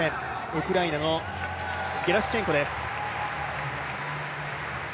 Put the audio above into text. ウクライナのゲラシュチェンコです。